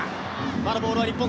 まだボールは日本。